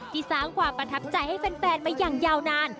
สร้างความประทับใจให้แฟนมาอย่างยาวนาน